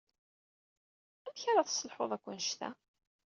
Amek ara tesselḥuḍ akk anect-a?